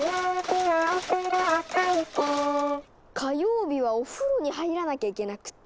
火曜日はおふろに入らなきゃいけなくて。